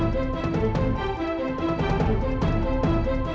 kamu tinggal suntik capcus kenapa